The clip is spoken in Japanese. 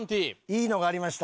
いいのがありました。